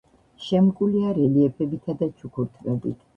შემკულია რელიეფებითა და ჩუქურთმებით.